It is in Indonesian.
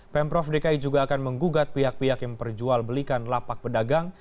pemprov dki juga akan menggugat pihak pihak yang memperjualbelikan lapak pedagang